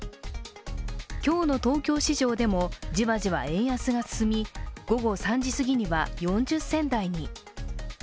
今日の東京市場でも、じわじわ円安が進み午後３時すぎには４０銭台に。